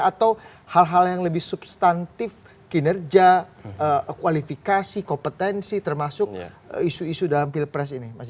atau hal hal yang lebih substantif kinerja kualifikasi kompetensi termasuk isu isu dalam pilpres ini